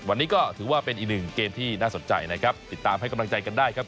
วันนี้ก็ถือว่าเป็นอีกหนึ่งเกมที่น่าสนใจนะครับติดตามให้กำลังใจกันได้ครับ